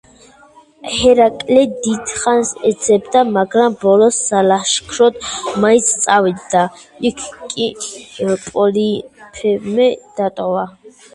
ჰერაკლე დიდხანს ეძებდა, მაგრამ ბოლოს სალაშქროდ მაინც წავიდა, იქ კი პოლიფემე დატოვა.